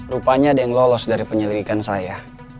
rupanya ada yang lolos dari penyelidikan saya